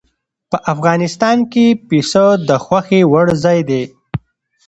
په افغانستان کې پسه د خوښې وړ ځای دی.